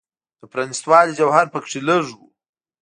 د پرانیستوالي جوهر په کې لږ و.